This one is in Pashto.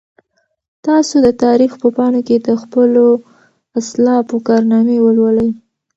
تاسو د تاریخ په پاڼو کې د خپلو اسلافو کارنامې ولولئ.